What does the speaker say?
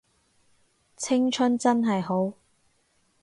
青春真係好